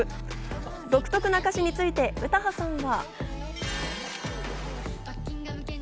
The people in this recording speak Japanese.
独特な歌詞について詩羽さんは。